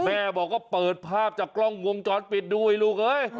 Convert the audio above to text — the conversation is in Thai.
แม่บอกว่าเปิดภาพจากกล้องวงจรปิดด้วยลูก